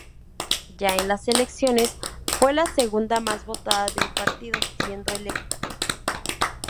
Ya en las elecciones, fue la segunda más votada del partido, siendo electa.